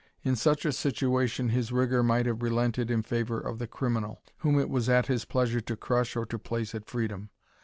In such a situation his rigour might have relented in favour of the criminal, whom it was at his pleasure to crush or to place at freedom.